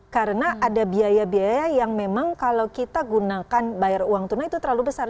karena ada biaya biaya yang memang kalau kita gunakan bayar uang tunai itu terlalu besar